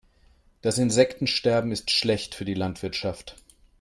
Das Insektensterben ist schlecht für die Landwirtschaft.